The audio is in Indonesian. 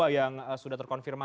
yang sudah terkonfirmasi